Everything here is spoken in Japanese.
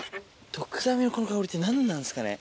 ドクダミのこの香りって何なんすかね。